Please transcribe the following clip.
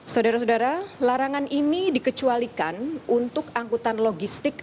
saudara saudara larangan ini dikecualikan untuk angkutan logistik